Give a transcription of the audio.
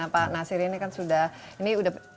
pak nasir ini kan sudah